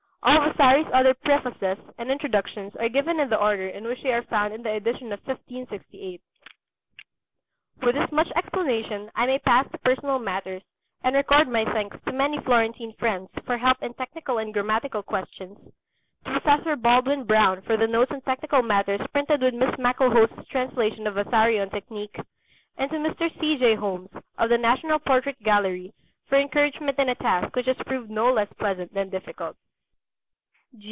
All Vasari's other prefaces and introductions are given in the order in which they are found in the edition of 1568. With this much explanation, I may pass to personal matters, and record my thanks to many Florentine friends for help in technical and grammatical questions; to Professor Baldwin Brown for the notes on technical matters printed with Miss Maclehose's translation of "Vasari on Technique"; and to Mr. C. J. Holmes, of the National Portrait Gallery, for encouragement in a task which has proved no less pleasant than difficult.